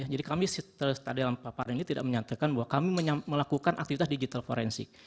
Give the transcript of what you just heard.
jadi kami setelah tadi dalam paparan ini tidak menyatakan bahwa kami melakukan aktivitas digital forensik